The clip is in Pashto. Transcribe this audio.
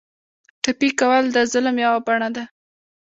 ټپي کول د ظلم یوه بڼه ده.